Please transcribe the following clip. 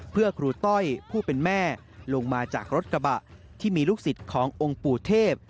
เพื่อครูต้อยผู้เป็นแม่ลงมาจากรถกระบะที่มีลูกศิษย์ขององค์ปู่เทพ